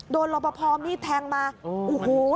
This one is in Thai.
โดนรอปภมีดแพงมาโอ้โฮ